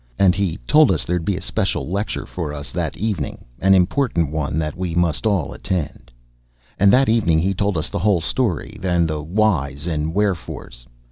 And he told us there'd be a special lecture for us that evening, an important one that we must all attend. And that evening he told us the whole story and the whys and wherefores.